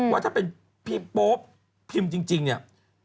ว่าถ้าเป็นพี่โป๊ปพิมพ์จริงเนี่ย